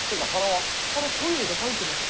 はらトイレで吐いてます。